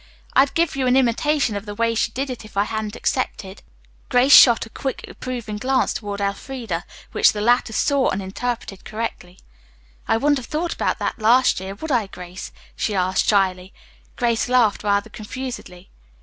I'd give you an imitation of the way she did it if I hadn't accepted." Grace shot a quick, approving glance toward Elfreda which the latter saw and interpreted correctly. "I wouldn't have thought about that last year, would I, Grace?" she asked shyly. Grace laughed rather confusedly.